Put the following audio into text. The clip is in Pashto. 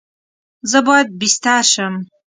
زه باید بیستر سم؟